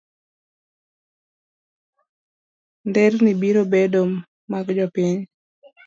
Nderni biro bedo mag jopiny.